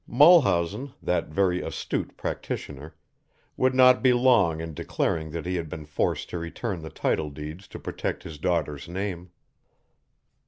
Mulhausen, that very astute practitioner, would not be long in declaring that he had been forced to return the title deeds to protect his daughter's name.